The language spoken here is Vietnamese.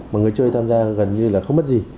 mà người chơi tham gia gần như là không mất gì